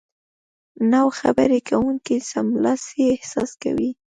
نو خبرې کوونکی سملاسي احساس کوي